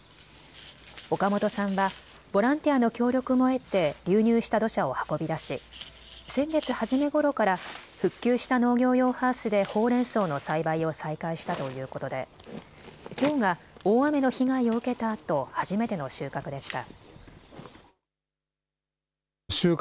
岡本さんはボランティアの協力も得て流入した土砂を運び出し先月初めごろから復旧した農業用ハウスでほうれんそうの栽培を再開したということできょうが大雨の被害を受けたあと初めての収穫でした。